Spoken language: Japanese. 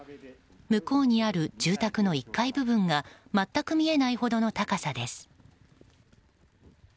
向こうにある住宅の１階部分が全く見えないほどの高さです。